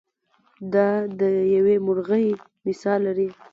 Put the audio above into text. دا د یوې مرغۍ مثال لري.